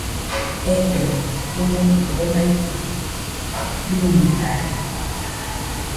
Ebee, omokɨ kue maite, bɨñokaɨɨɨ